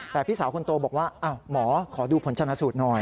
แต่พี่สาวคนโตบอกว่าหมอขอดูผลชนะสูตรหน่อย